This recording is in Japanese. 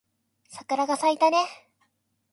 桜が咲いたね